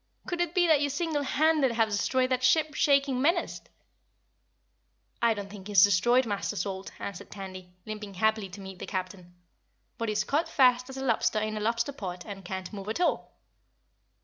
Could it be that you single handed have destroyed that ship shaking menace?" "I don't think he's destroyed, Master Salt," answered Tandy, limping happily to meet the Captain, "but he's caught fast as a lobster in a lobster pot and can't move at all."